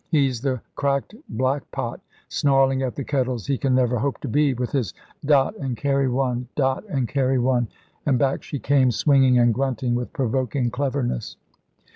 He's the cracked black pot snarling at the kettles he can never hope to be, with his dot and carry one, dot and carry one"; and back she came swinging and grunting with provoking cleverness.